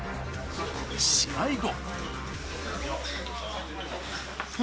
試合後。